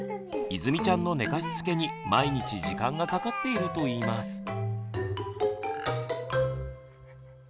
いずみちゃんの寝かしつけに毎日時間がかかっているといいます。